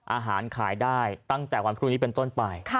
ขายได้ตั้งแต่วันพรุ่งนี้เป็นต้นไป